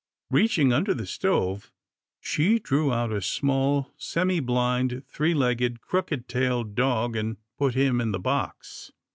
Reaching under the stove, she drew out a small, semi blind, three legged, crooked tailed dog, and put him in the box.